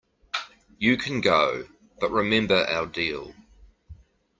You can go, but remember our deal.